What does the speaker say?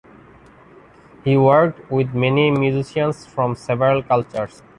He worked with many musicians from several cultures.